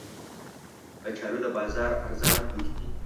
کچالو د بازار ارزانه توکي دي